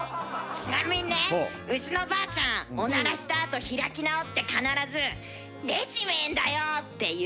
ちなみにねうちのばあちゃんおならしたあと開き直って必ずって言う。